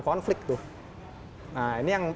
konflik tuh nah ini yang